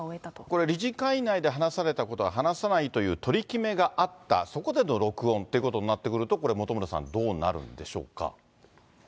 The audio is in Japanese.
これ、理事会内で話されたことは話さないという取り決めがあった、そこでの録音ということになってくると、これ本村さん、どうなるんでしょうか。